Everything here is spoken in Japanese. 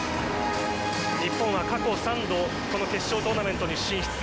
日本は過去３度この決勝トーナメントに進出。